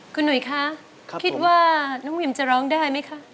คุณหนุ่ยคะคิดว่าน้องวิมจะร้องได้ไหมคะ